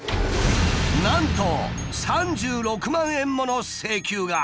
なんと３６万円もの請求が。